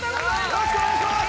よろしくお願いします！